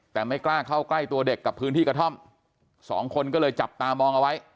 แต่ไม่กล้าเข้าใกล้ตัวเด็กกับพื้นที่กระท่อมสองคนก็เลยจับตามองเอาไว้